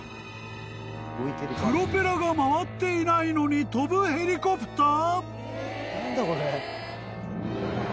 ［プロペラが回っていないのに飛ぶヘリコプター？］